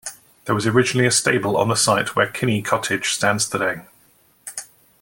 There was originally a stable on the site where Kinney Cottage stands today.